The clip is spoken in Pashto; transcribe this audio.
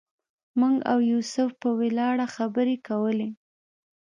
موږ او یوسف په ولاړه خبرې کولې.